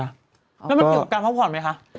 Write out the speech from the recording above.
แล้วมันเกี่ยวกับการพักผ่อนไหมคะ